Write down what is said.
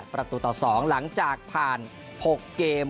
ประตูต่อ๒หลังจากผ่าน๖เกม